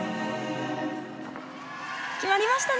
決まりましたね。